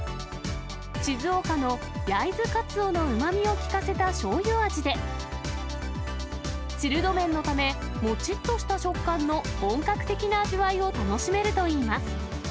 静岡の焼津かつおのうまみを利かせたしょうゆ味で、チルド麺のため、もちっとした食感の本格的な味わいを楽しめるといいます。